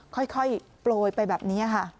ค่อยโปรยไปแบบนี้ค่ะ